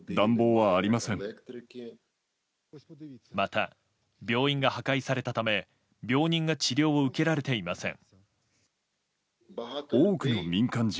また、病院が破壊されたため病人が治療を受けられていません。